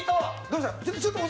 どうしたの？